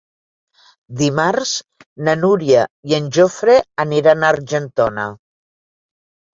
Dimarts na Núria i en Jofre aniran a Argentona.